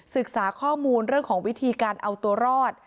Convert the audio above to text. ศึกษาข้อมูลเรื่องของวิธีการเอาตัวรอด